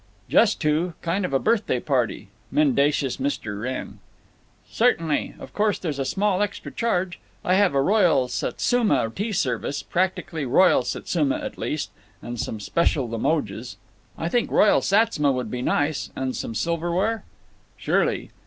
"Just two. Kind of a birthday party." Mendacious Mr. Wrenn! "Certainly. Of course there's a small extra charge. I have a Royal Satsuma tea service—practically Royal Satsuma, at least—and some special Limoges." "I think Royal Sats'ma would be nice. And some silverware?" "Surely."